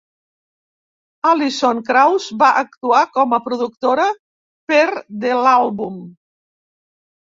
Alison Krauss va actuar com a productora per de l'àlbum.